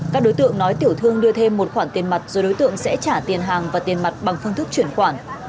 các đối tượng nói tiểu thương đưa thêm một khoản tiền mặt rồi đối tượng sẽ trả tiền hàng và tiền mặt bằng phương thức chuyển khoản